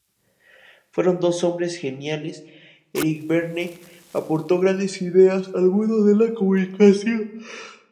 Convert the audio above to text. Fueron dos hombres geniales, Eric Berne aportó grandes ideas al mundo de la comunicación.